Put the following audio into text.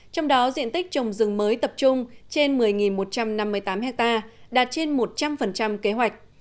trong đó diện tích trồng rừng mới tập trung trên một mươi một trăm năm mươi tám ha đạt trên một trăm linh kế hoạch